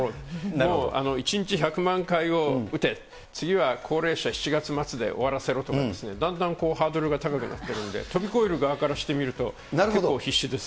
もう１日１００万回を打て、次は高齢者、７月末で終わらせろとか、だんだんハードルが高くなってるんで、飛び越える側からしてみると、結構必死です。